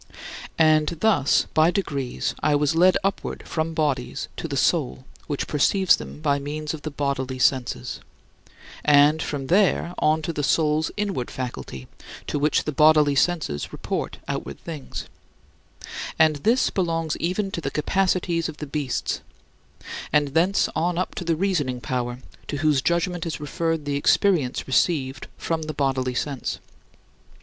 And thus by degrees I was led upward from bodies to the soul which perceives them by means of the bodily senses, and from there on to the soul's inward faculty, to which the bodily senses report outward things and this belongs even to the capacities of the beasts and thence on up to the reasoning power, to whose judgment is referred the experience received from the bodily sense.